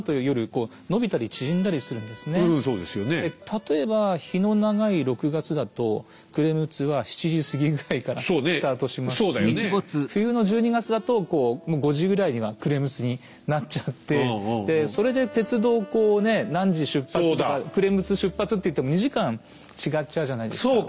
例えば日の長い６月だと暮れ六つは７時過ぎぐらいからスタートしますし冬の１２月だともう５時ぐらいには暮れ六つになっちゃってそれで鉄道をこうね何時出発とか暮れ六つ出発っていっても２時間違っちゃうじゃないですか。